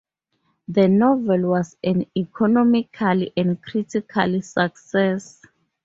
The novel was an economical and critical success.